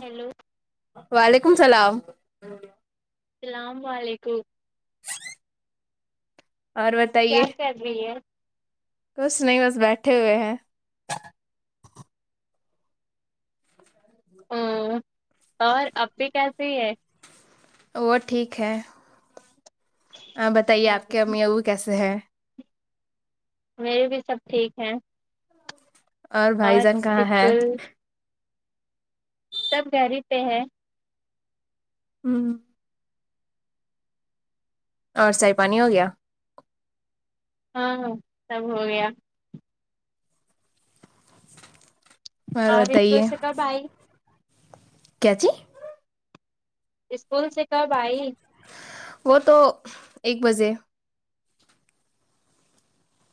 Hello وعلیکم السلام السلام علیکم اور کیا بتائیے کر رہی ہے کچھ نہیں بس بیٹھے ہوئے ہیں ہمم اور اپی کیسی ہے وہ ٹھیک ہے آپ بتائیے آپ کے ہوں، امی ابو کیسے ہیں میرے بھی سب ٹھیک ہے اور بھائی جان کہاں ہے اسکول سب گھر ہی پہ ہے ہوں اور چائی پانی ہو گیا ہاں ہاں سب ہو گیا اور ہاں بتائیے رٹوس کا بهائی کیا چی اسکول سے کب آئی وہ تو ایک بجے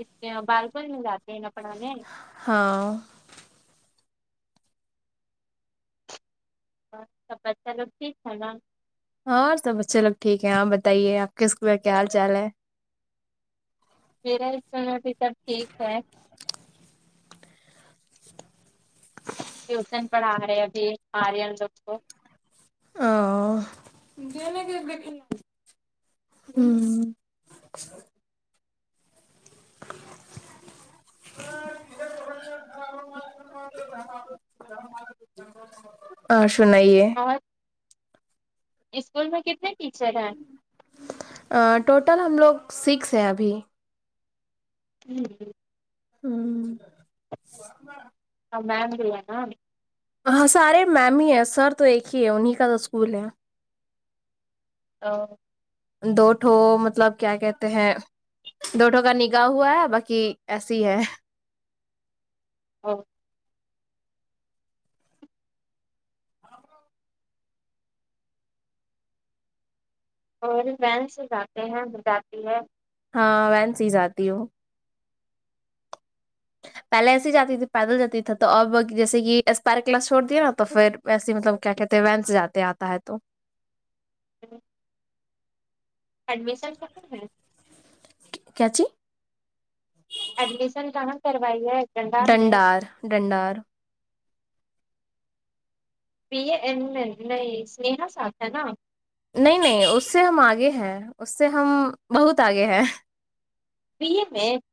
اس [unintelligible] جاتے ہیں نا پڑھانے ہاں اور سب بچہ لوگ ٹھیک ہے نا ہاں سب بچے لوگ ٹھیک ہیں آپ بتائیے آپ کے اسکول میں کیا حال چال ہے میرا اسکول میں بھی سب ٹھیک ہے ٹیوشن پڑھا رہے ہیں ابھی آریان لوگ کو آؤ جی ہوں [unintelligible] اور سنائیے بہت اسکول میں کتنے ٹیچر ہیں ٹوٹل ہم لوگ سکس ہیں ابھی ٹھیک ہے ہوں ہاں [unintelligible] ہاں سارے میم ہی ہیں سر تو ایک ہی ہے انہیں کا تو اسکول ہے اور دوٹھو مطلب کیا کہتے ہیں دوٹھوں کا نکاح ہوا ہے باقی ایسی ہے اب اور وین سے جاتے ہیں بتاتی ہے ہاں وین سے ہی جاتی ہوں پہلے ایسے ہی جاتی تھی پیدل جاتی تھا تو اب جیسے یہ اسپر کلاس چھوڑ دیا نا تو پھر ویسے ہی مطلب کیا کہتے ہیں وینس جاتے آتا ہے تو [unintelligible] ایڈمیشن [unintelligible] ہے کیاچی ایڈمیشن کہاں کروائی ہے گنڈار میں ڈنڈار ڈنڈار [unintelligible] ساھ ہے نا نہیں نہیں اس سے ہم آگے ہیں اس سے ہم بہت آگے ہیں [unintelligible]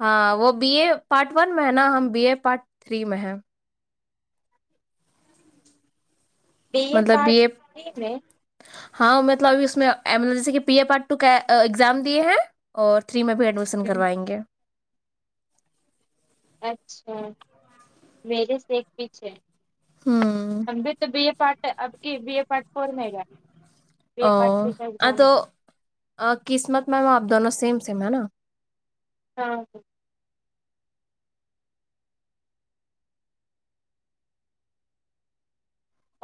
ہاں وہ بی اے پارٹ ون میں ہے نا ہم بی اے پارٹ تھری میں ہیں بی مطلب بی پارٹ اے تھری میں ہاں مطلب ابھی اس میں ایمرجنسی کے پی اے پارٹ ٹو کے ایگزام دیے ہیں اور تھری میں بھی ایڈمیشن ہوں، کروائیں گے اچھا میرے سے ایک پیچھے ہے ہمم ہم بھی تو بی اے پارٹ اب کی بی اے پارٹ فور میں گیا B A O part three کا آ ایگزام تو قسمت میں آپ دونوں سیم سیم ہے نا ہاں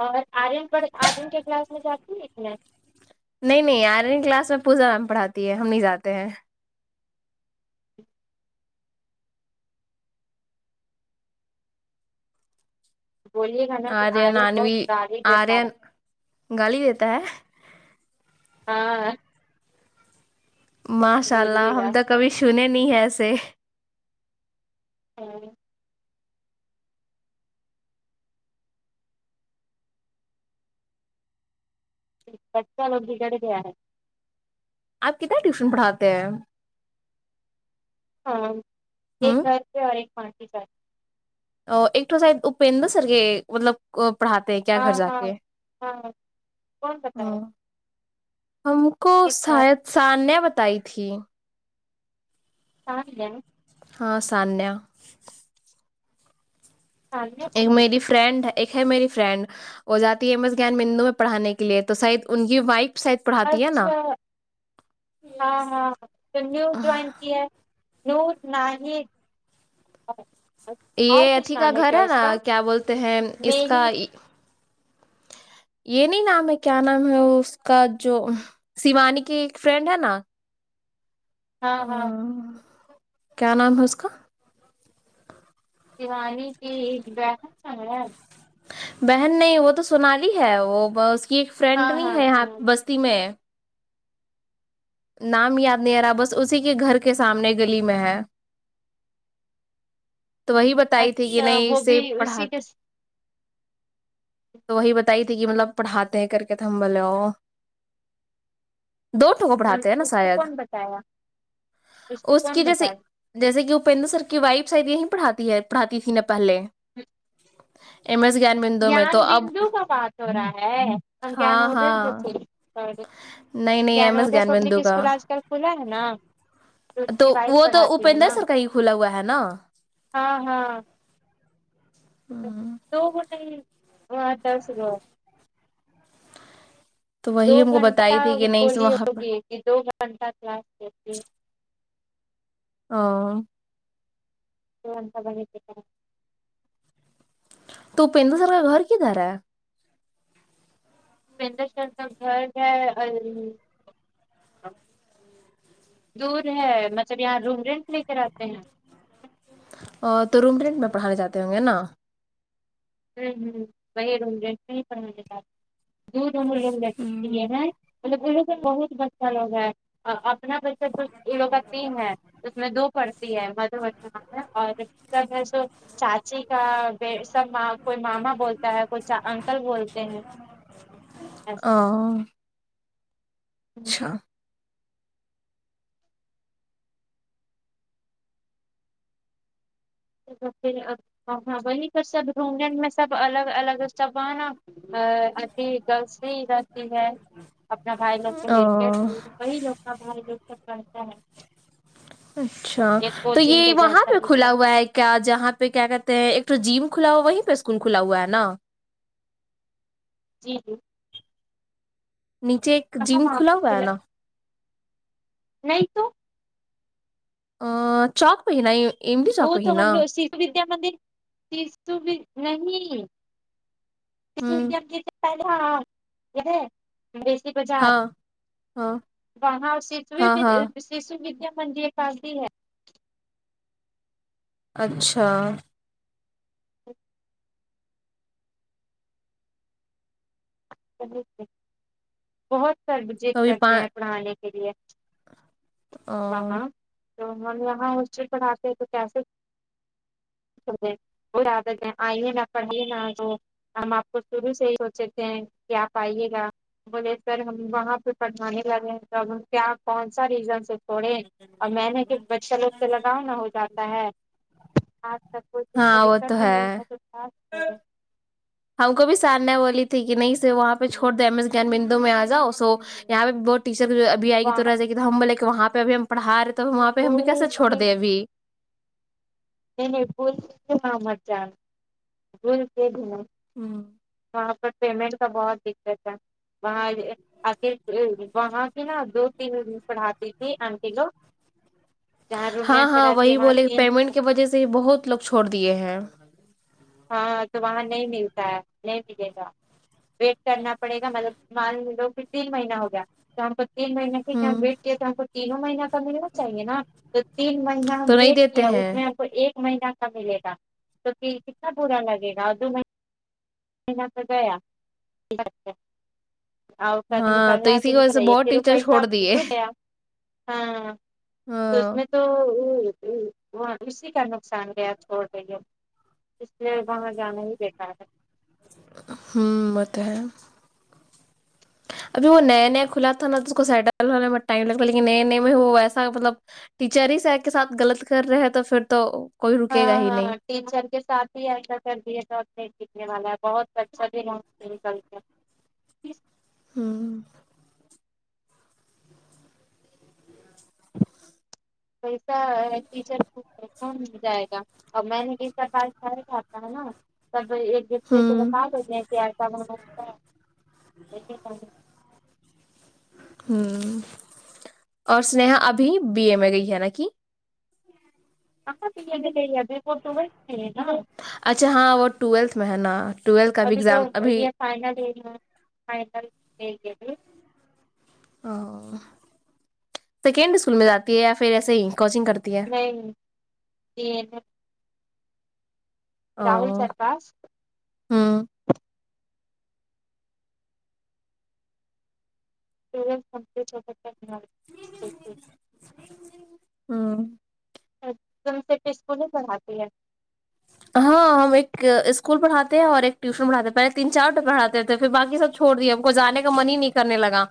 اور آرین پڑھ آرین کے کلاس میں جاتی ایک معم نہیں نہیں آرین نہیں کلاس میں پوزا میم پڑھاتی ہے ہم نہیں جاتے ہیں بولیے گا نا کہ آرین بہت انوی گالی دیتا آرین ہے گالی دیتا ہے ہاں ماشاء اللہ بولیے گا ہم تو کبھی سنے نہیں ہیں ایسے ہوں بچہ لوگ بگڑ گیا ہے آپ کتنا ٹیوشن پڑھاتے ہیں ہاں ایک ہوں گھر سے اور ایک [unintelligible] [unintelligible] مطلب کو پڑھاتے ہیں کیا ہاں گھر جا ہاں کے ہاں کون بتایا ہاں ہم کو کس کا شاید سانیہ بتائی تھی سانیہ ہاں سانیہ ثانیہ تو ایک کون ہے میری ف فرینڈ ایک ہے میری فرینڈ وہ جاتی ہے ایم ایس گیان مندو میں پڑھانے کے لیے تو شاید ان کی وائف شاید پڑھاتی ہے نا اچھا ہاں ہاں تو نیو جوائن کیا نیو نہی ہ اور یہ کچھ اتھی کا نام ہے گھر کیا اس کا نا کیا بولتے ہیں اس میری کا یہ نہیں نام ہے کیا نام ہے اس کا جو شیوانی کی ایک فرینڈ ہے نا ہاں ہاں آہ، کیا نام ہے اس کا شیوانی کی ایک بہن ہے بہن نہیں وہ تو سونالی ہے وہ ب اس کی ایک فرینڈ ہاں نہیں ہاں ہے یہاں سنالی بستی میں نام یاد نہیں آ رہا بس اسی کے گھر کے سامنے گلی میں ہے تو وہی بتائی تھی کہ اچھا نہیں وہ بھی اسے پڑھا اسی کے س- تو وہی بتائی تھی کہ مطلب پڑھاتے ہیں کر کے تو ہم بولے او دو ٹھو پڑھاتے ہیں نا اس کو شاید کون بتایا کو اس کون کی جیسے بتایا جیسے کہ وہ پندو سر کی وائف ساید یہیں پڑھاتی ہے پڑھاتی تھی نہ پہلے ہں ایم ایس گان بندو میں تو اب بندو کا بات ہو رہا ہے ہم گیان ہاں ودے پے ہاں تھے نہیں نہیں Gyan M S Vidya public Bindu کا اسکول آج کل کھلا ہے نا اس تو کی وائف وہ تو پڑھاتی ہے اپیندر نا سر کا ہی کھلا ہوا ہے نا ہاں ہاں دو مٹ ہیتا سے [unintelligible] تو دو وہی ہم کو گھنٹہ بتائی تھی کہ نہیں بولی وہاں پر ہوگی کہ دو گھنٹہ کلاس کرتی ہاں کون پتہ نہیں کدھر تو اپیندر سر کا گھر کیدھر ہے اپیندر سر کا گھر ہے [unintelligible] دور ہے مطلب یہاں روم رینٹ لے کر آتے ہیں تو روم رینٹ میں پڑھانےجاتے ہوں گے نا ہوں ہوں وہیں روں رینٹ میں ہی پڑھاتے [unintelligible] یہ ہے مطلب انہوں کے بہت بچہ لوگ ہے ا اب اپنا پس لو کا تین ہے اس میں دو پڑھتے ہے مدو ورشنا ہے اور سب ہے سو چاچی کا ب سب ماں کوئی ماما بولتا ہے کوئی چا انکل بولتے ہیں ایسے ا ہوں اچھا نہیں تو پھر ہاں وہ پے سب ڈونگھن میں سب الگ الگ سب ہے نا ا ابھی گلس بھی رہتی ہے اپنا بھائی لوگ کو لے کے ا تو وہی لوگ کا بھائی لوگ سب پڑتا ہے اچھا ایک تو کوچنگ یہ کے وہاں جیسا پہ ہی کھلا سب ہوا ہے کیا جہاں پہ کیا کہتے ہیں ایک تو جیم کھلا ہو وہیں پہ اسکول کھلا ہوا ہے نا جی جی نیچے ایک کہاں جم وہاں کھلا ہوا ہے پہ نا نہیں تو ا چوک بہ نہیں ہی املی وہ چوک پہ تو ہی ہم نا شیشو ودیا مندر شو نہیں ہوں [unintelligible] سی بازار ہاں ہاں وہاں [unintelligible] س [unintelligible] ہاں ہاں ج سوویددیا منے یہ آتی ہے اچھا بہت سر جد کبھی پا کرتے ہیں پڑھانے کے لیے آ، ہاں ہاں تو ہم یہاں ہاسٹل پر آتے ہیں تو کیسے کریں روز آکر کے آئیے نہ پڑھیے نہ وہ ہم آپ کو شروع سے ہی سوچے تھے ہیں کہ آپ آئیے گا بولے سر ہم وہاں پہ پٹھانے لگے ہیں تو اب کیا کون سا ریزنس چھوڑے اور میںنے کے بچہ لوگ سے لگاؤ نہ ہو جاتا ہے آپ سب کوئی چیز کا ہاں وہ تو دقت ہی نہیں ہے [unintelligible] ب خے ہم کو بھی سر نے والی تھی کہ نہیں سر وہاں پہ چھوڑ دے ایم ایس گان بندو میں آ جاؤ سو یہاں پہ بہت ٹیچر ہے ابھی آئے گی وہاں تو رہ جاے گی ہم بولے کہ وہاں پہ اب ہم پڑھا رہے تو وہاں پہ ہم بھی بول کیسے چھوڑ کی دیں ابھی نہیں بول [unintelligible] محمد جان [unintelligible] د ر کے بھی ہوں وہاں پر پیمنٹ کا بہت دقت ہے وہاں آخ وہاں سے نا دو تین پڑھاتی تھی انٹی لوگ جہاں روم ہاں رینٹ پر ہاں رہتی ہے وہی وہاں بولے تین پیمنٹ کی وجہ سے ہی بہت لوگ چھوڑ دیے ہیں ہاں تو وہاں نہیں ملتا ہے نہیں ملے گا ویٹ کرنا پڑے گا مطلب مان لو پھر تین مہینہ ہو گیا تو ہم کو تین مہینے کی کہ ہوں ویٹ کیا تو ہم کو تینوں مہینہ کا ملنا چاہیے نا تو تین مہینہ ہم تو نہیں ویٹ دیتے کیا اس ہیں میں ہم کو ایک مہینہ کا ملے گا کیوں کی کتنا برا لگے گا دو مہینہ تو گیا اور کد ہاں نکلنا ہے اسی تو کی وجہ سے بہت نکلے رو ٹیچر پیس چھوڑ آپ ل دیے لوں گیا [unintelligible] ہاں تو اس ہاں میں تو او او وہ اسی کا نقصان گیا چھوڑ دیے اس لیے وہاں جانا ہی بےیکار ہے ہوں وہ تو ہے ابھی وہ نیا نیا کھلا تھا نا تو اس کو سیٹل ہونے میں ٹائم لگتا لیکن نئے نئے میں وہ ویسا مطلب ٹیچر ہی سر کے ساتھ غلط کر رہے ہیں تو پھر تو کوئی رکے گا ہاں ہی ہاں نہیں ٹیچر کے ساتھ ہی ایسا کر دیا تھا اب نہی ٹکنے والا ہے بہت اچھا بھی ہوا نکل گیا ہوں پیسا ٹیچر کو کون مل جائے گا ا میں نے کس کا پاس سر کھاتا ہے نا [unintelligible] سب ایک دوسرے کو ہوں بتا دیتے ہیں کہ ایسا بنتا [unintelligible] ہمم اور سنییہا ابھی بی اے میں گئی ہے نا کہ کہاں بی اے میں گئی ہے ابھی تو وہ ٹویلتھ میں ہے نا اچھا ہاں وہ ٹویلتھ میں ہے نا ٹویلتھ کا بھی ابھی تو ایگزام ابھی یہ فائنل ہے فائنل دیگی ابھی ا سیکنڈ اسکول میں جاتی ہے یا پھر ایسے ہی کوچنگ کرتی ہے [unintelligible] او راہل سر پاس ہوں پ کمپلی چوپ [unintelligible] ہاں ایک دم سے ٹش اسکول ہی پڑھاتی ہے ہاں ہم ایک اسکول پڑھاتے ہیں اور ایک ٹیوشن پڑھاتے ہیں پہے تین چار پڑھاتے تھے پھر باقی سب چھوڑ دیا ہم کو جانے کا من ہی نہیں کرنے لگا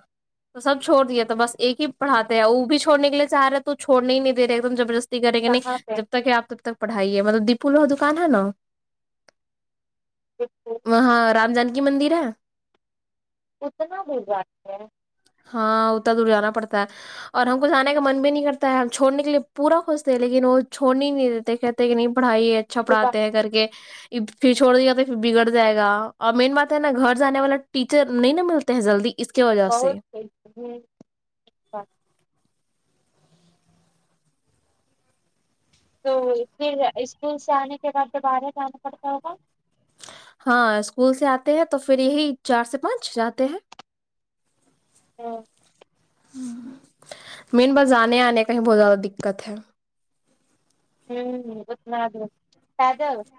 تو سب چھوڑ دیا تو بس ایک ہی پڑھاتے ہیں وہ بھی چھوڑنے کے لیے چاہ رہے تو چھوڑنے نہیں دے ایک دم زبردست تی کرے گا نہیں کہاں پہ جب تک ہے آپ تب تک پڑھائیے مطلب دیپول دکان ہے نا کو وہاں رام جان کی مندر ہے اتنا دور جاتی ہے ہاں اتنا دور جانا پڑتا ہے اور ہم کو جانے کا من بھی نہیں کرتا ہے ہم چھوڑنے کے لیے پورا خوشتے ہیں لیکن وہ چھڑنے ہی نہیں دیتے کہتے کی نہیں پڑھائی اچھا جو با- پڑھاتے ہیں کر کے کےپھر چھوڑ دے گا تو پھر بگڑ جائے گا اور مین بات ہے نا گھر جانے والا ٹیچر نہیں نا ملتے ہیں جلدی اس کی وجہ سے ہوں [unintelligible] تو پھر اسکول سے آنے کے بعد دوبارہ جانا پڑتا ہوگا ہاں اسکول سے آتے ہیں تو پھر یہی چار سے پانچ جاتے ہیں ہاں مین بس جانے آنے کا ہی بہت زیادہ دقت ہے چل جاتی ہو [unintelligible]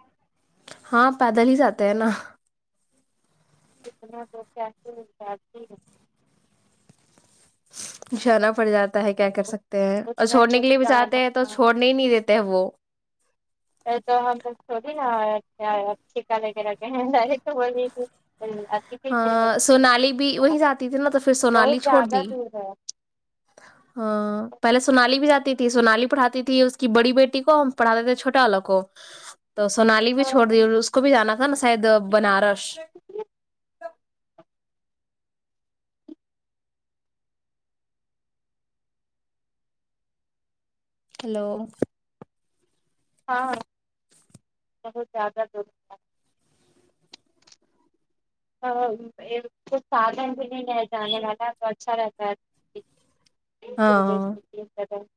ہاں پیدل ہی جاتے ہیں نا اتنا دور کیسے ہو جاتی ہیں جانا پڑ جاتا ہے کیا کر سکتے ہیں اور اتنا چھوڑنے دور کے لیے بھی جاتے جانا ہیں تو آنا۔ چھوڑ نے نہیں دیتا ہے وہ تو ہم تھوڑی نا چھیکا لغیرہ کہریک تو ب تھی [unintelligible] امم اچ ہاں سونالی بھی وہیں جاتی تھی نا تو پھر بہت سونالی چھوڑ زیادہ دی دور ہے ہاں پہلے سونالی بھی جاتی تھی سونالی پڑھاتی تھی اس کی بڑی بیٹی کو ہم پڑھاتے تھے چھوٹا والا کو تو سونالی بھی ہاں چھوڑ دی اس کو بھی جانا تھا نا شاید بنارش [unintelligible] ہیلو ہاں بہت زیادہ گرمی ہے کچھ سادھن بھی نہیں لے جانے والا تو اچھا رہتا ہے ہاں [inaudible]